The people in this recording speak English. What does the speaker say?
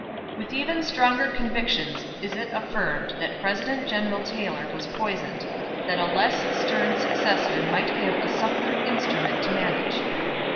"With even stronger convictions is it affirmed that President General Taylor was poisoned, that a less stern successor might give a suppler instrument to manage.